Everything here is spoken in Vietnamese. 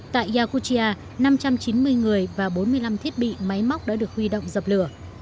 tại yakutia năm trăm chín mươi người và bốn mươi năm thiết bị máy móc đã được huy động dập lửa